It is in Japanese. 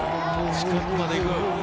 近くまでいく。